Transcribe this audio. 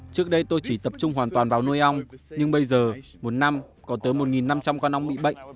trước đây tôi chỉ tập trung hoàn toàn vào nuôi ong nhưng bây giờ một năm có tới một năm trăm linh con ong bị bệnh